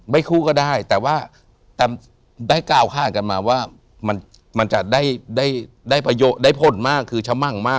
คู่ก็ได้แต่ว่าแต่ได้ก้าวข้างกันมาว่ามันจะได้ประโยชน์ได้ผลมากคือชะมั่งมาก